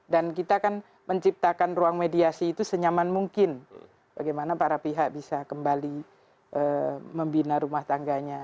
kita kan menciptakan ruang mediasi itu senyaman mungkin bagaimana para pihak bisa kembali membina rumah tangganya